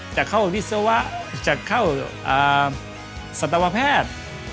จะเข้าวิศวะจะเข้าสัตวแพทย์